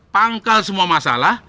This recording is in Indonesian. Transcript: pangkal semua masalah